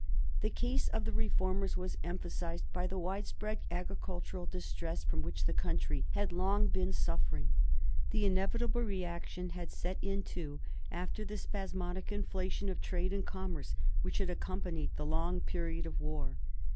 The case of the reformers was emphasized by the widespread agricultural distress from which the country had long been suffering. The inevitable reaction had set in, too, after the spasmodic inflation of trade and commerce which had accompanied the long period of war.